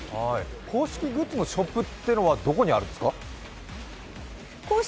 公式グッズのショップというのはどこにあるんですか？